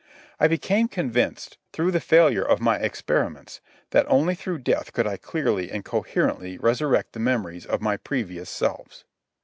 I became convinced, through the failure of my experiments, that only through death could I clearly and coherently resurrect the memories of my previous selves.